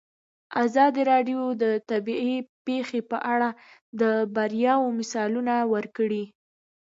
ازادي راډیو د طبیعي پېښې په اړه د بریاوو مثالونه ورکړي.